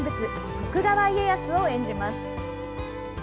徳川家康を演じます。